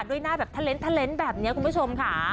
ด้วยหน้าแบบเทร็นต์แบบนี้คุณผู้ชมค่ะ